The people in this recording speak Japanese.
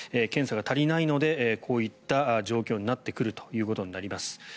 検査が足りないのでこういった状況になってくるということになります。